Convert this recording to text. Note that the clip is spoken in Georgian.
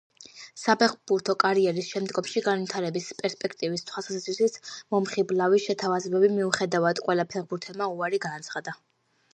საფეხბურთო კარიერის შემდგომი განვითარების პერსპექტივის თვალსაზრისით მომხიბლავი შეთავაზების მიუხედავად ყველა ფეხბურთელმა უარი განაცხადა.